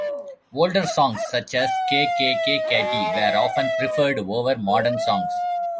Older songs such as "K-K-K-Katy" were often preferred over modern songs.